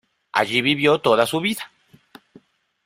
Allí vivió toda su vida.